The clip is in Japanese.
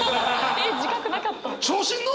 えっ自覚なかったの？